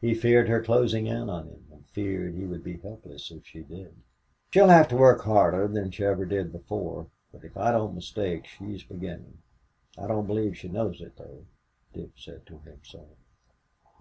He feared her closing in on him, and feared he would be helpless if she did. "She'll have to work harder than she ever did before, but if I don't mistake, she's beginning. I don't believe she knows it, though," Dick said to himself.